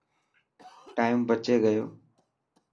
ٽائم بچي گيو.